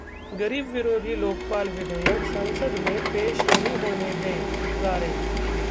‘गरीब विरोधी’ लोकपाल विधेयक संसद में पेश नहीं होने दें: हज़ारे